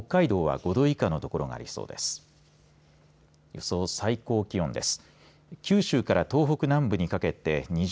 予想最低気温です。